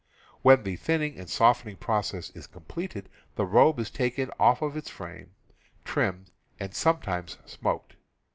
When the thinning and softening process is completed, the robe is taken out of its frame, trimmed, and sometimes smoked.